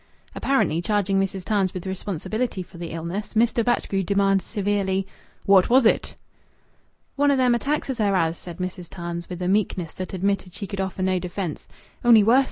Apparently charging Mrs. Tarns with responsibility for the illness, Mr. Batchgrew demanded severely "What was it?" "One o' them attacks as her has," said Mrs. Tarns with a meekness that admitted she could offer no defence, "only wuss!"